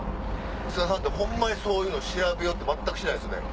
津田さんってホンマそういうの調べようと全くしないですよね。